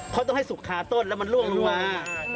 เพราะต้องให้สุกคาต้นแล้วมันล่วงลงมา